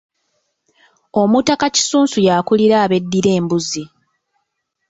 Omutaka Kisunsu y’akulira abeddira Embuzi.